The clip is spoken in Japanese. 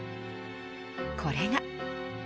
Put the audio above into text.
これが。